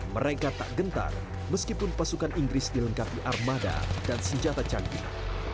mereka tak gentar meskipun pasukan inggris dilengkapi armada dan senjata canggih